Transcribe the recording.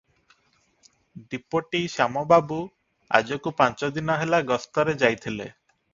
ଡିପୋଟି ଶ୍ୟାମବାବୁ ଆଜକୁ ପାଞ୍ଚଦିନ ହେଲା ଗସ୍ତରେ ଯାଇଥିଲେ ।